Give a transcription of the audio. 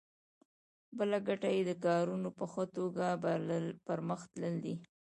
بله ګټه یې د کارونو په ښه توګه پرمخ تلل دي.